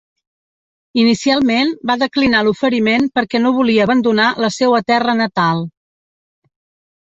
Inicialment va declinar l'oferiment perquè no volia abandonar la seua terra natal.